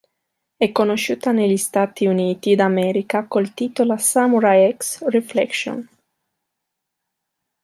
È conosciuta negli Stati Uniti d'America col titolo "Samurai X: Reflection".